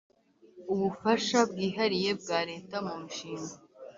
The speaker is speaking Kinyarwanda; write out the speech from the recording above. ubufasha bwihariye bwa leta mu mishinga